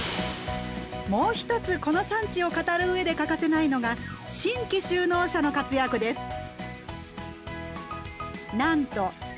もう一つこの産地を語るうえで欠かせないのが新規就農者の活躍です。